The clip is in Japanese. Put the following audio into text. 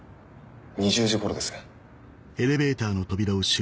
２０時頃です。